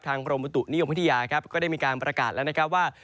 กรมบุตุนิยมวิทยาครับก็ได้มีการประกาศแล้วนะครับว่า